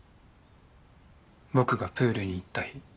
僕がプールに行った日。